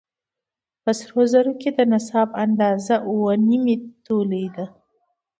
په سرو زرو کې د نصاب اندازه اووه نيمې تولې ده